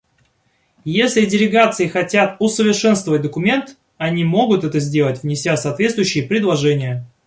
Если делегации хотят усовершенствовать документ, они могут это сделать, внеся соответствующие предложения.